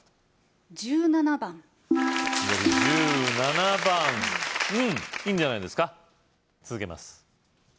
１７番緑１７番うんいいじゃないんですか続けます